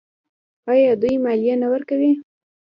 آیا دوی مالیه نه ورکوي؟